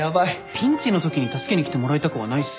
ピンチのときに助けに来てもらいたくはないっすよ。